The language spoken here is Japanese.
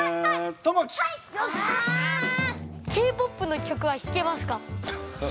Ｋ−ＰＯＰの曲は弾けますか？